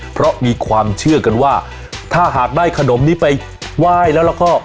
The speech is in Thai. เพราะมีความเชื่อกันว่าถ้าหากได้ขนมนี้ไปไหว้แล้วแล้วก็